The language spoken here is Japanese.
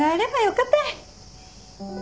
かたい。